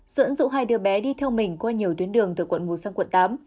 dẫn dụ hai đứa bé đi theo mình qua nhiều tuyến đường từ quận một sang quận tám